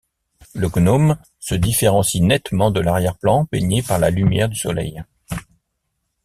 Le gnome se différencie nettement de l'arrière-plan baigné par la lumière du soleil.